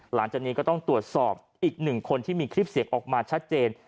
หลังจากนี้ก็ต้องตรวจสอบอีกหนึ่งคนที่มีคลิปเสียงออกมาชัดเจน